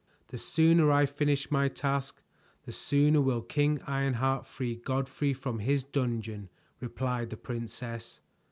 "The sooner I finish my task, the sooner will King Ironheart free Godfrey from his dungeon," replied the princess.